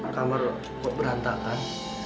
kamar kok berantakan